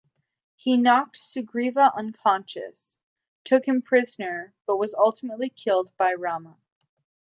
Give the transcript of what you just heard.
He knocked Sugriva unconscious, took him prisoner, but was ultimately killed by Rama.